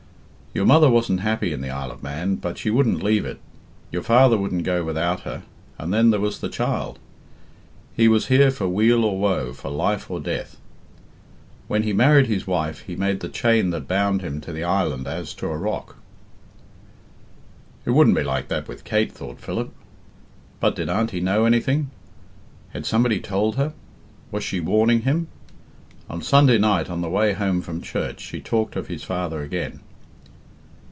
Your mother wasn't happy in the Isle of Man, but she wouldn't leave it. Your father wouldn't go without her, and then there was the child. He was here for weal or woe, for life or death. When he married his wife he made the chain that bound him to the island as to a rock." "It wouldn't be like that with Kate," thought Philip. But did Auntie know anything? Had somebody told her? Was she warning him? On Sunday night, on the way home from church, she talked of his father again.